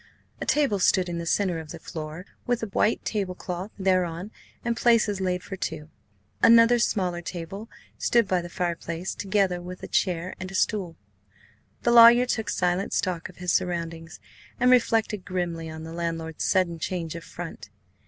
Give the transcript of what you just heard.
A table stood in the centre of the floor, with a white table cloth thereon and places laid for two. Another smaller table stood by the fireplace, together with a chair and a stool. The lawyer took silent stock of his surroundings, and reflected grimly on the landlord's sudden change of front.